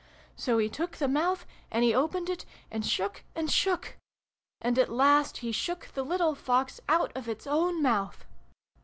So he took the mouth, and he opened it, and shook, and shook ! And at last he shook the little Fox out of its own mouth